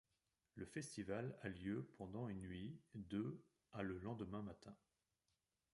Le festival a lieu pendant une nuit, de à le lendemain matin.